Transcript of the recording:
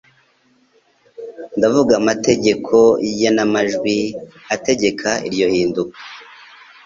ndavuga amategeko y'igenamajwi ategeka iryo hinduka,